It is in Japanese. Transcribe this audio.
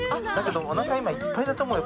おなかがいっぱいだと思うよ。